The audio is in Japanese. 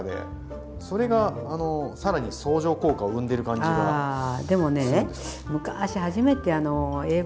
それがさらに相乗効果を生んでる感じがするんです。